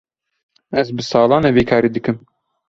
Ez bi salan e vî karî dikim.